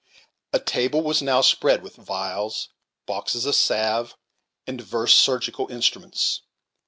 A table was now spread with phials, boxes of salve, and divers surgical instruments.